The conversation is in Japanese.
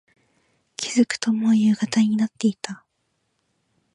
気付くと、もう夕方になっていた。